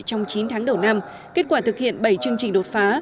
trong chín tháng đầu năm kết quả thực hiện bảy chương trình đột phá